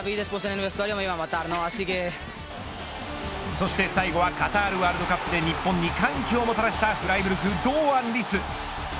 そして最後はカタールワールドカップで日本に歓喜もたらしたフライブルク、堂安律。